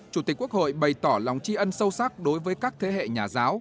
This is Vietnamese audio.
chủ tịch quốc hội bày tỏ lòng tri ân sâu sắc đối với các thế hệ nhà giáo